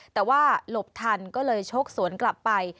แต่ว่าหลบทันก็เลยชกสวนกลับไป